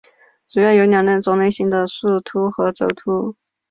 主要有两种类型的树突和轴突。